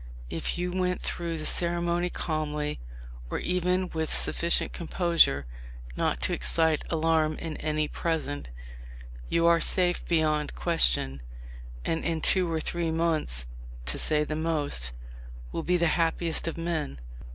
If you went through the ceremony calmly or even with suffi cient composure not to excite alarm in any present, you are safe beyond question, and in two or three months, to say the most, w r ill be the happiest of men."